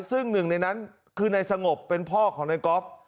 ซึ่งหนึ่งในนั้นคือนายสงบเป็นพ่อของนายกอล์ฟ